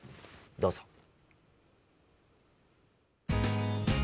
どうぞ。